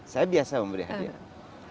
saya biasa memberi hadiah